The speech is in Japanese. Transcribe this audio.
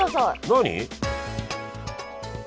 何？